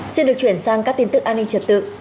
xin được chuyển sang các tin tức an ninh trật tự